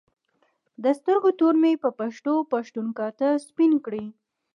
د سترګو تور مې په پښتو پښتون کاته سپین کړي